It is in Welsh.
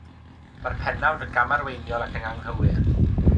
Mae'r pennawd yn gamarweiniol ac yn anghywir.